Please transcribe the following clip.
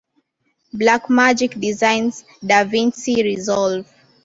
Blackmagic Designs' DaVinci Resolve.